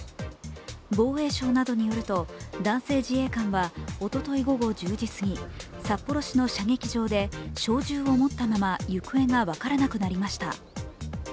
防衛省などによると男性自衛官はおととい午後１０時過ぎ、札幌市の射撃場で、小銃を持ったまま行方が分からなくなりました。